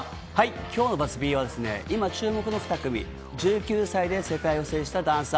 今日のＢＵＺＺ−Ｐは今注目の２組、１９歳で世界を制したダンサー。